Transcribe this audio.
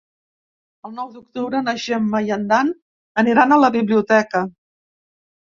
El nou d'octubre na Gemma i en Dan aniran a la biblioteca.